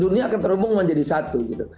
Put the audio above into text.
dunia akan terhubung menjadi satu gitu